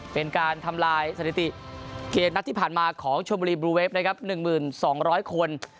เป็นการทำลายสถิติเกมนัดที่ผ่านมาของชมบุรีบลูเวฟนะครับ๑๒๐๐คน